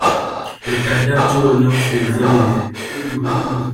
Le cadavre du renard fut examiné.